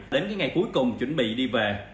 đến cái ngày cuối cùng chuẩn bị đi về